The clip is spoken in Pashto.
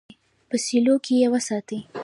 په سیلو کې یې وساتي.